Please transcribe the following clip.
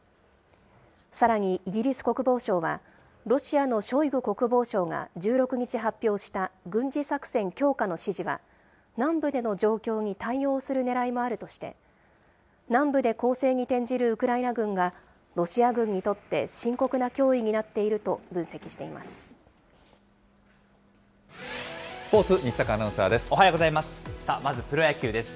さらにイギリス国防省は、ロシアのショイグ国防相が１６日発表した軍事作戦強化の指示は、南部での状況に対応するねらいもあるとして、南部で攻勢に転じるウクライナ軍がロシア軍にとって深刻な脅威になっていると分析しスポーツ、西阪アナウンサーおはようございます。